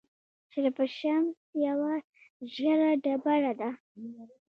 شرف الشمس یوه ژیړه ډبره ده.